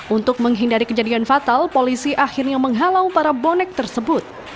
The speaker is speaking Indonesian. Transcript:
untuk menghindari kejadian fatal polisi akhirnya menghalau para bonek tersebut